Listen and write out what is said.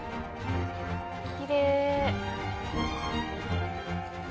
きれい。